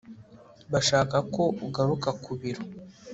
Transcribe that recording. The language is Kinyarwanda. bashaka ko ugaruka ku biro